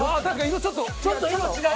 ちょっと色違う。